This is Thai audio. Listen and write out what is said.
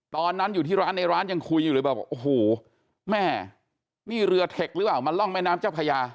ตอนนั้นอยู่ที่ร้านในร้านยังคุยอยู่เลยแบบโอ้โหแม่นี่เรือเทคหรือเปล่ามันร่องแม่น้ำเจ้าพญา